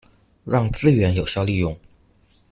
讓資源有效利用